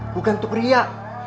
bukan untuk riak